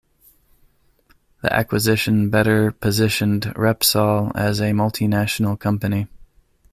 The acquisition better positioned Repsol as a multinational company.